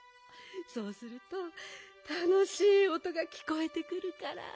そうするとたのしいおとがきこえてくるから。